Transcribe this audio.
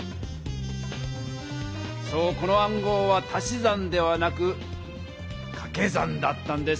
そうこの暗号は足し算ではなくかけ算だったんです。